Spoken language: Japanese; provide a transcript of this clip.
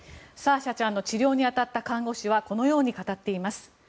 サーシャちゃんの治療に当たった看護師はこのように語っています。